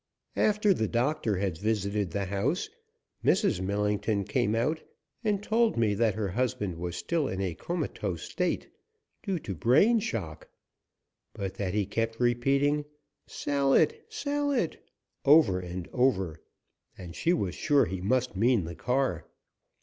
After the doctor had visited the house, Mrs. Millington came out and told me that her husband was still in a comatose state, due to brain shock, but that he kept repeating "Sell it! Sell it!" over and over, and she was sure he must mean the car.